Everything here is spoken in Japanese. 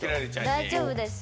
大丈夫です？